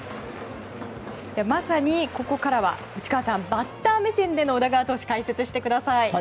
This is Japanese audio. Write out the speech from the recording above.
まさに、ここからは内川さん、バッター目線での宇田川投手を解説してください。